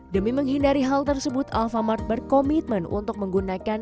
demi menghindari hal tersebut alfamart berkomitmen untuk menggunakan